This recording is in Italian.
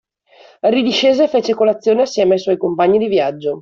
Ridiscese e fece colazione assieme ai suoi compagni di viaggio.